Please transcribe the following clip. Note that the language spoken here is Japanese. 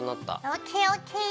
ＯＫＯＫ。